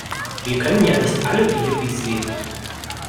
Wir können ja nicht alle wie Hippies leben.